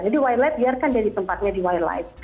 jadi wildlife biarkan jadi tempatnya di wildlife